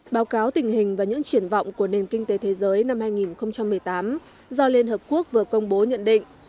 báo cáo tình hình và những triển vọng của nền kinh tế thế giới năm hai nghìn một mươi tám do liên hợp quốc vừa công bố nhận định